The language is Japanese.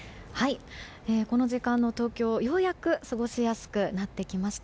この時間の東京、ようやく過ごしやすくなりました。